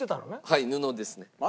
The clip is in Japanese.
はい布ですね。